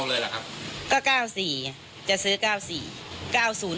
เลขทะเบียนรถจากรยานยนต์